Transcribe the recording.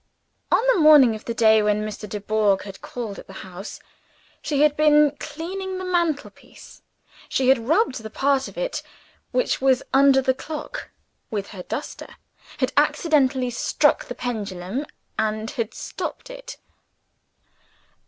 On the morning of the day when Mr. Dubourg had called at the house, she had been cleaning the mantelpiece. She had rubbed the part of it which was under the clock with her duster, had accidentally struck the pendulum, and had stopped it.